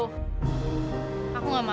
aku mau makan di rumah